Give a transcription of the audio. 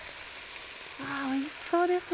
おいしそうです。